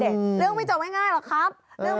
เรื่องไม่จบง่ายหรอกครับ